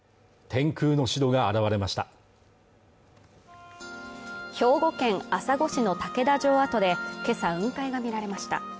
天空の城が現れました兵庫県朝来市の竹田城跡で今朝雲海が見られました